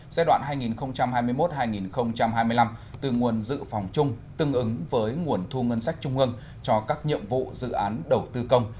giai đoạn hai nghìn hai mươi một hai nghìn hai mươi năm từ nguồn dự phòng chung tương ứng với nguồn thu ngân sách trung ương cho các nhiệm vụ dự án đầu tư công